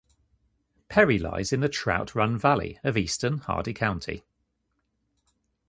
Perry lies in the Trout Run Valley of eastern Hardy County.